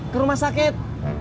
ke rumah sakit